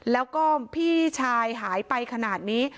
แล้วก็พี่ชายหายไปขนาดนี้